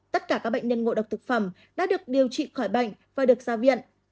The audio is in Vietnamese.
tất cả các bệnh nhân ngộ độc thực phẩm đã được điều trị khỏi bệnh và được ra viện